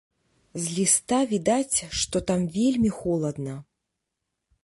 З ліста відаць, што там вельмі холадна.